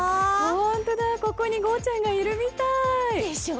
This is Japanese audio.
本当だ、ここにゴーちゃん。がいるみたい。でしょ。